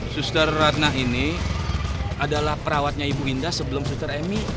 susratna ini adalah perawatnya ibu indah sebelum susrat emi